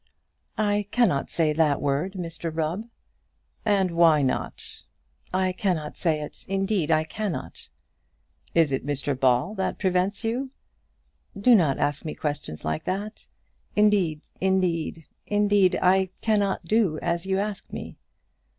"I cannot say that word, Mr Rubb." "And why not?" "I cannot say it; indeed, I cannot." "Is it Mr Ball that prevents you?" "Do not ask me questions like that. Indeed, indeed, indeed, I cannot do as you ask me."